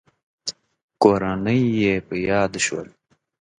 کورنۍ يې په ياد شول.